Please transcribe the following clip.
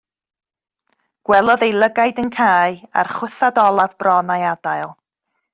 Gwelodd ei lygaid yn cau a'r chwythad olaf bron a'i adael.